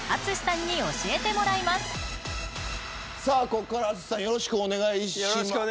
ここからは淳さんよろしくお願いします。